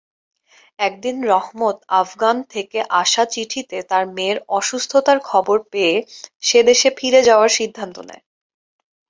একদিন রহমত আফগান থেকে আসা চিঠিতে তার মেয়ের অসুস্থতার খবর পেয়ে সে দেশে ফিরে যাওয়ার সিদ্ধান্ত নেয়।